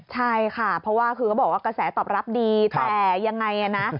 ใช่ค่ะเพราะว่าคือเขาบอกว่ากระแสตอบรับดีแต่ยังไงนะ